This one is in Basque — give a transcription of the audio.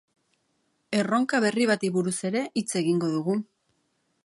Erronka berri bati buruz ere hitz egingo dugu.